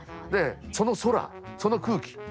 でその空その空気